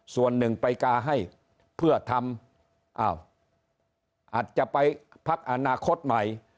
ส่วนหนึ่งไปกาให้เพื่อทำอ้าวอาจจะไปพักอนาคตใหม่